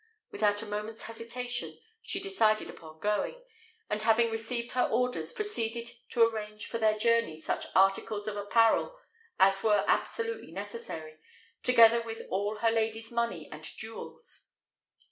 Without a moment's hesitation, she decided upon going, and having received her orders, proceeded to arrange for their journey such articles of apparel as were absolutely necessary, together with all her lady's money and jewels.